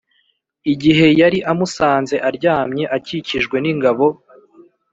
igihe yari amusanze aryamye akikijwe n’ingabo